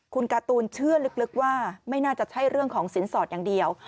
คุณการ์ตูนเชื่อลึกว่าไม่น่าจะใช่เรื่องของสินสอดอย่างเดียว